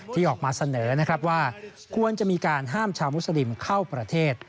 ที่ออกมาเสนอนะครับว่าควรจะมีการห้ามชาวมุสลิมเข้าประเทศ